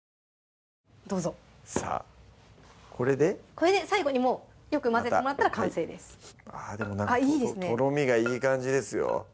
これで最後にもうよく混ぜてもらったら完成ですあっでもなんかとろみがいい感じですよ